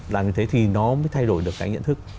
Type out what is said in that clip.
làm như thế thì nó mới thay đổi được cái nhận thức